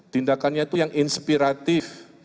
tindakannya itu yang inspiratif